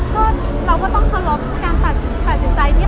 ก็เราต้องขอโทษเพื่อการตัดสินใจที่เขาถอบมา